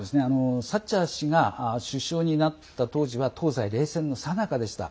サッチャー氏が首相になった当時は東西冷戦のさなかでした。